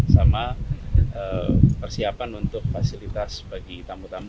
sama persiapan untuk fasilitas bagi tamu tamu